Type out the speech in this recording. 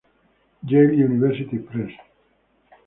Yale University Press.